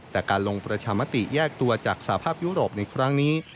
แต่การลงประชามติแยกตัวจากสภาพยุโรปในครั้งนี้